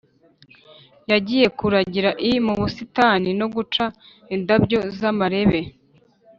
Yagiye kuragira l mu busitani no guca indabyo z amarebe